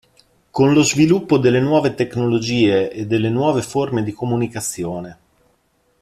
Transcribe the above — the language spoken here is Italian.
Con lo sviluppo delle nuove tecnologie e delle nuove forme di comunicazione.